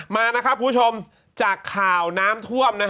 มานะคะผู้ชมจากข่าวน้ำท่วม